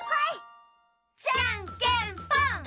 じゃんけんぽん！